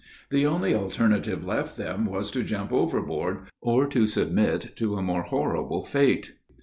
The only alternative left them was to jump overboard, or to submit to a more horrible fate.